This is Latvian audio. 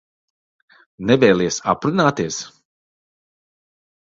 Nevēlies aprunāties?